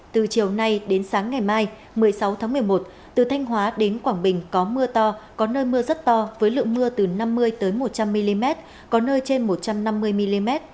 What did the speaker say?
từ chiều nay đến sáng ngày mai một mươi sáu tháng một mươi một từ thanh hóa đến quảng bình có mưa to có nơi mưa rất to với lượng mưa từ năm mươi một trăm linh mm có nơi trên một trăm năm mươi mm